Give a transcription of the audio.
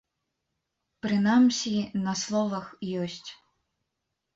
Прынамсі, на словах ёсць.